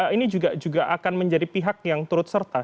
ini juga akan menjadi pihak yang turut serta